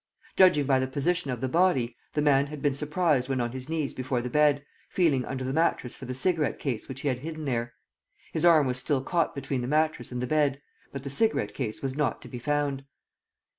Judging by the position of the body, the man had been surprised when on his knees before the bed, feeling under the mattress for the cigarette case which he had hidden there. His arm was still caught between the mattress and the bed, but the cigarette case was not to be found.